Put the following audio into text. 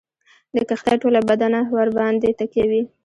د کښتۍ ټوله بدنه ورباندي تکیه وي.